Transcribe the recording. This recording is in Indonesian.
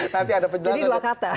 jadi dua kata